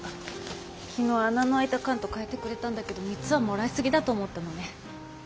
昨日穴の開いた缶と換えてくれたんだけど３つはもらいすぎだと思ったのね。